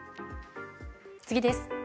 次です。